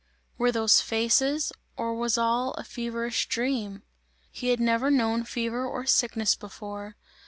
Were those faces, or was all a feverish dream? He had never known fever or sickness before.